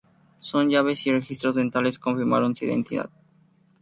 Sus llaves y registros dentales confirmaron su identidad.